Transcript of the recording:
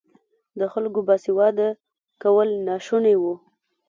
د خلکو باسواده کول ناشوني وو.